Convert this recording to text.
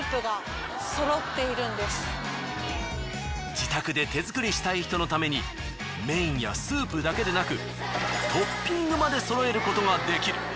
自宅で手作りしたい人のために麺やスープだけでなくトッピングまでそろえることができる。